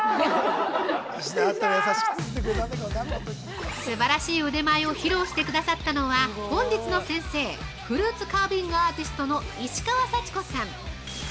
◆すばらしい腕前を披露してくださったのは、本日の先生、フルーツカービングアーティストの石川幸子さん。